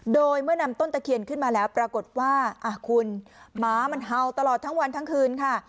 โดยเมื่อนำต้นตะเคียนขึ้นมาแล้วปรากฏว่าคุณหมามันเห่าตลอดทั้งวันทั้งคืนค่ะ